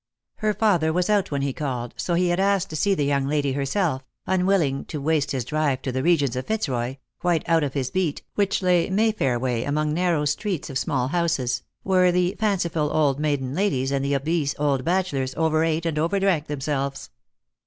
Her father was out when he called, so he had asked to see the young lady herself, unwilling to waste his drive to the regions of Fitzroy —■ quite out of his beat, which lay Mayfair way, among narrow streets of small houses, where the fanciful old maiden ladies and the obese old bachelors over ate and over drank themselves.